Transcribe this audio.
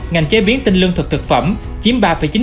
ngành chế biến tinh lương thực thực phẩm chiếm ba chín mươi bảy